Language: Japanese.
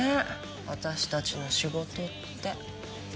私たちの仕事って。